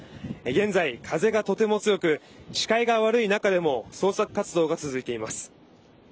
現在、風がとても強く視界が悪い中でも捜索活動が続いています。